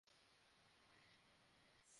অহ, হ্যাঁ, হ্যাঁ - স্কচ, তাই না?